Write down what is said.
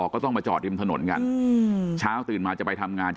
ก็ต้องมาจอดริมถนนกันเช้าตื่นมาจะไปทำงาน